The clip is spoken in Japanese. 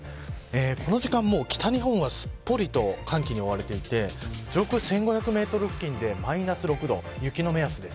この時間も北日本はすっぽりと寒気に覆われていて上空１５００メートル付近でマイナス６度雪の目安です。